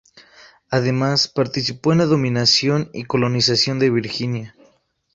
Además participó en la dominación y colonización de Virginia.